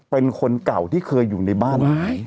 เป็นคนเก่าที่เคยอยู่ในบ้าน